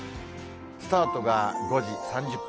スタートが５時３０分。